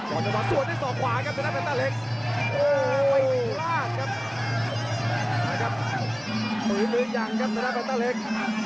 ก่อนจะปักส่วนได้ส่องขวาครับจนได้แบตเตอร์เล็ก